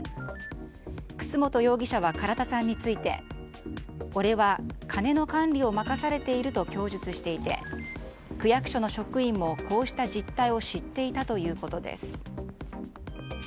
楠本容疑者は唐田さんについて俺は金の管理を任されていると供述していて、区役所の職員もこうした実態を知っていたということです。